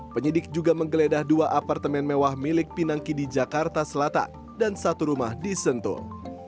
penyidik juga menggeledah dua apartemen mewah milik pinangki di jakarta selatan dan satu rumah di sentul